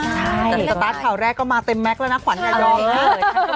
ใช่แต่สตาร์ทข่าวแรกก็มาเต็มแม็กซ์แล้วน่ะขวัญกระย้อม